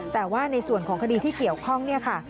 แต่ว่าในส่วนของคดีที่เกี่ยวข้องเนี่ยค่ะ